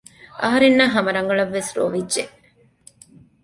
އަހަރެންނަށް ހަމަ ރަގަޅަށްވެސް ރޮވިއްޖެ